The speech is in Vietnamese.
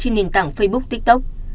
trên nền tảng facebook tiktok